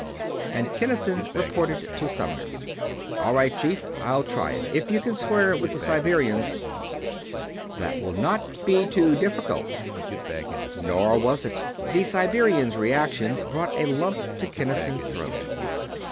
and Kinnison reported to Sumner. "All right, Chief, I'll try it if you can square it with the Siberians." "That will not be too difficult." Nor was it. The Siberians' reaction brought a lump to Kinnison's throat.